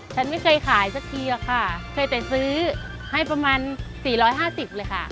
ฉันไม่เคยขายสักทีอะค่ะเคยแต่ซื้อให้ประมาณ๔๕๐เลยค่ะ